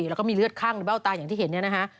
แล้วก็มีเลือดข้างในเบ้าตาอย่างที่เห็นเนี่ยนะฮะ